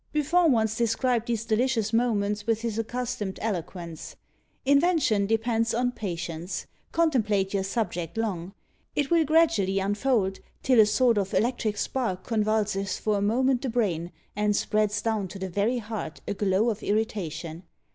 Buffon once described these delicious moments with his accustomed eloquence: "Invention depends on patience; contemplate your subject long; it will gradually unfold, till a sort of electric spark convulses for a moment the brain, and spreads down to the very heart a glow of irritation.